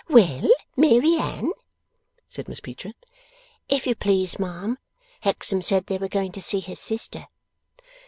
'Well, Mary Anne?' said Miss Peecher. 'If you please, ma'am, Hexam said they were going to see his sister.